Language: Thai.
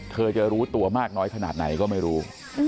จะรู้ตัวมากน้อยขนาดไหนก็ไม่รู้